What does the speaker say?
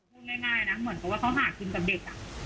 พูดง่ายนะเหมือนกับว่าเขาหากินกับเด็ก